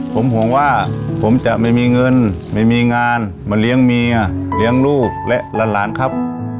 ผมห่วงว่าผมจะไม่มีเงินไม่มีงานมาเลี้ยงเมียเลี้ยงลูกและหลานครับ